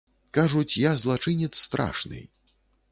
Кажуць, я злачынец страшны.